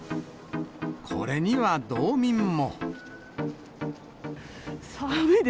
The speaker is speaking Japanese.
これには道民も。